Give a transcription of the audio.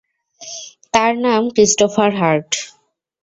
তার নাম Christopher heart.